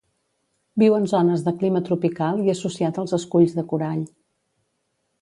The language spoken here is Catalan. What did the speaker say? Viu en zones de clima tropical i associat als esculls de corall.